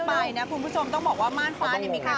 อาจเจอตัวอย่างนั้น